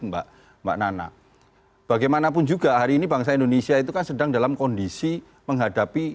mbak mbak nana bagaimanapun juga hari ini bangsa indonesia itu kan sedang dalam kondisi menghadapi